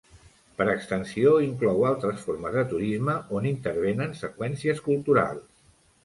Per extensió, inclou altres formes de turisme on intervenen seqüències culturals.